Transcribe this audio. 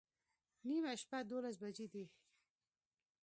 نیمه شپه دوولس بجې دي